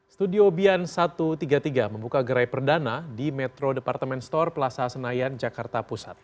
studio bian satu ratus tiga puluh tiga membuka gerai perdana di metro departemen store plaza senayan jakarta pusat